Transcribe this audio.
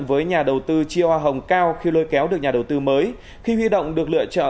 với nhà đầu tư chia hoa hồng cao khi lôi kéo được nhà đầu tư mới khi huy động được lựa chọn